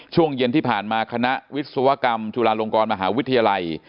ช่วงเย็นที่ผ่านมาคณะวิศวกรรมจุฬาลงกรมหาวิทยาลัย